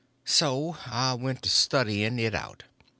So I went to studying it out.